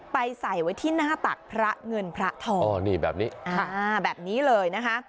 ใส่ไว้ที่หน้าตักพระเงินพระทองอ๋อนี่แบบนี้อ่าแบบนี้เลยนะคะ